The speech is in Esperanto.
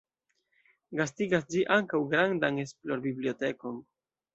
Gastigas ĝi ankaŭ grandan esplor-bibliotekon.